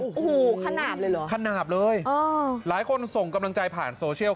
โอ้โหขนาดเลยเหรอขนาดเลยหลายคนส่งกำลังใจผ่านโซเชียล